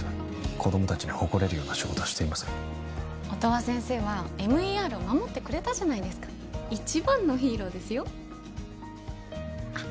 子供達に誇れるような仕事はしていません音羽先生はＭＥＲを守ってくれたじゃないですか一番のヒーローですよあっ